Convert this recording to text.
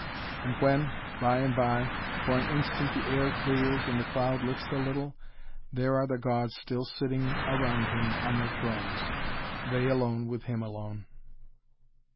And when, by and by, for an instant the air clears and the cloud lifts a little, there are the gods still sitting around him on their thrones they alone with him alone."